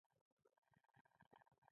بېګناه اعلان کړو.